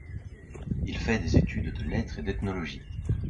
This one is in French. Il fait des études de lettres et d'ethnologie.